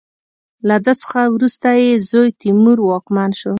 له ده څخه وروسته یې زوی تیمور واکمن شو.